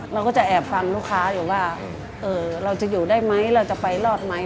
เราก็จะแอบฟังลูกค้าอยู่ว่าเราจะอยู่ได้ไหมเราจะไปรอดไหม